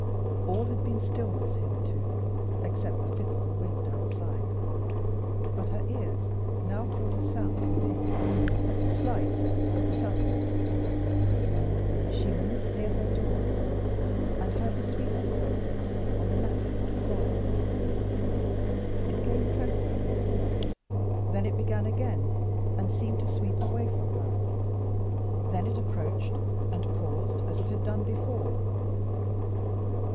All had been stillness hitherto, except the fitful wind outside. But her ears now caught a sound within slight, but sudden. She moved near her door, and heard the sweep of something on the matting outside. It came closer, and paused. Then it began again, and seemed to sweep away from her. Then it approached, and paused as it had done before.